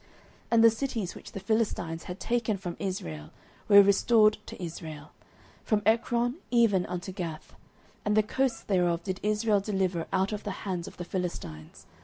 09:007:014 And the cities which the Philistines had taken from Israel were restored to Israel, from Ekron even unto Gath; and the coasts thereof did Israel deliver out of the hands of the Philistines.